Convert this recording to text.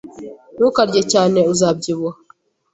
Ntukarye cyane. Uzabyibuha.